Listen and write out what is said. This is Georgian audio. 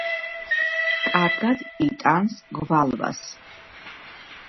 კარგად იტანს გვალვას.